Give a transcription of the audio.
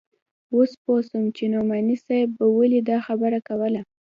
اوس پوه سوم چې نعماني صاحب به ولې دا خبره کوله.